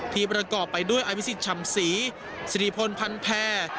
ทีมประกอบไปด้วยอาวิสิตชำศรีสิริพลพันธ์แพร่